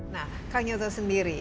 nah kak nyoto sendiri